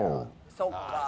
そっか。